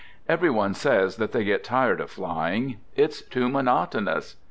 ... Every one says they get tired of flying, " It's too monotonous."